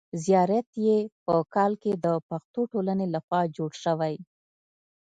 زیارت یې په کال کې د پښتو ټولنې له خوا جوړ شوی.